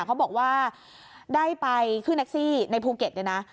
เขาบอกว่าได้ไปขึ้นแท็กซี่ในภูเก็ตเนี่ยนะ